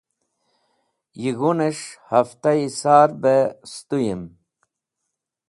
Yig̃hunẽs̃h heftaẽ sar bẽ sẽtũyẽm